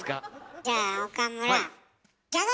じゃあ岡村。